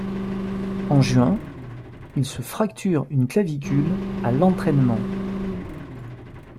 En juin, il se fracture une clavicule à l'entraînement.